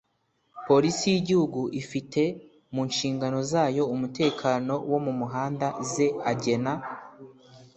Polisi y’Igihugu ifite mu nshingano zayo umutekano wo mu muhanda ze agena